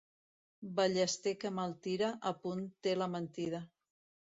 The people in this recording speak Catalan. Ballester que mal tira, a punt té la mentida.